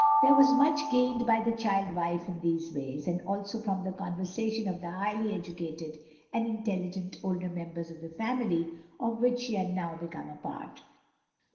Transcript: There was much gained by the child wife in these ways, and also from the conversation of the highly educated and intelligent older members of the family, of which she had now become a part.